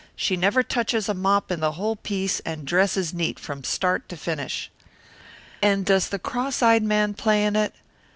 She never touches a mop in the whole piece and dresses neat from start to finish." "And does the cross eyed man play in it?